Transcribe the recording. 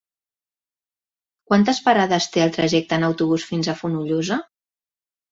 Quantes parades té el trajecte en autobús fins a Fonollosa?